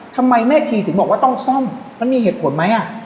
ทำไมแม่ชีถึงบอกว่าต้องซ่อมมันมีเหตุผลไหม